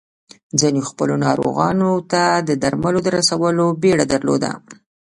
ځينو خپلو ناروغانو ته د درملو د رسولو بيړه درلوده.